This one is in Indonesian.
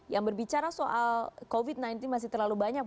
yang berbicara soal covid sembilan belas masih terlalu banyak